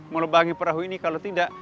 melebangi perahu ini kalau tidak